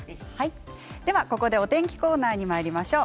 ここでお天気コーナーにまいりましょう。